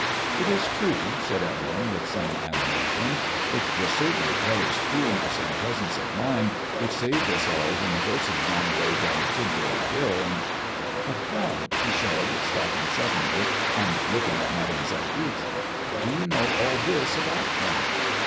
It is true/* said Evelyn, with some animation ;it was cer tainly Parry's coolness and pre sence of mind which saved us all when the horses ran away down Tidbury Hill, and But how," she said, stopping suddenly and looking at Mademoiselle Ixe, ''how do you know all this about him?"